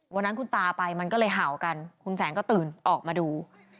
วันนั้นคุณตาไปมันก็เลยเห่ากันคุณแสงก็ตื่นออกมาดู